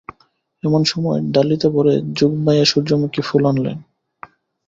এমন সময় ডালিতে ভরে যোগমায়া সূর্যমুখী ফুল আনলেন।